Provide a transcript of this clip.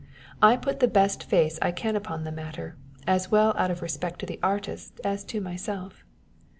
I put the best face I can upon the matter, as well out of respect to the artist as to myself.